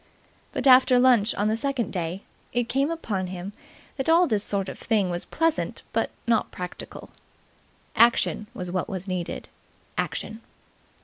But after lunch on the second day it came upon him that all this sort of thing was pleasant but not practical. Action was what was needed. Action.